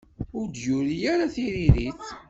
Ur d-yuri ara tiririt.